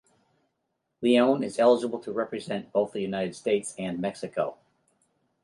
Leone is eligible to represent both the United States and Mexico.